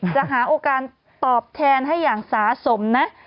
จะหาโอกาสตอบแทนให้อย่างสาสมนะ